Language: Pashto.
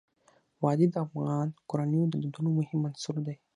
وادي د افغان کورنیو د دودونو مهم عنصر دی.